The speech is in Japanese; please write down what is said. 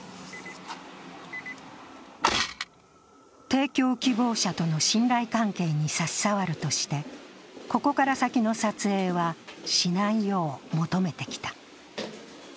提供希望者との信頼関係に差し障るとして、ここから先の撮影はしないよう求めてきた。